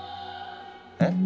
えっ？